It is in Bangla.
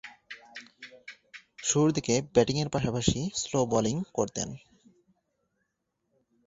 শুরুরদিকে ব্যাটিংয়ের পাশাপাশি স্লো বোলিং করতেন।